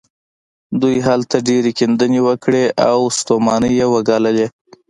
دوی هلته ډېرې کيندنې وکړې او ستومانۍ يې وګاللې.